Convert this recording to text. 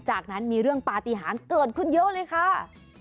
จากนั้นมีเรื่องปฏิหารเกิดขึ้นเยอะเลยค่ะ